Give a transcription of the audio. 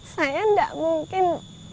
saya tidak mungkin